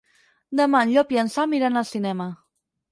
Demà en Llop i en Sam iran al cinema.